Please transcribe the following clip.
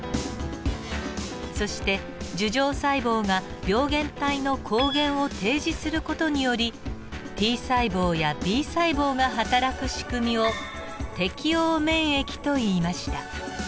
そして樹状細胞が病原体の抗原を提示する事によりＴ細胞やＢ細胞がはたらくしくみを適応免疫といいました。